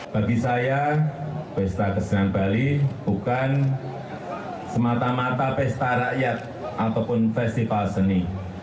bagi saya pesta kesenian bali bukan semata mata pesta rakyat ataupun festival seni